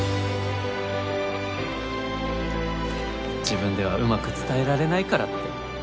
自分ではうまく伝えられないからって。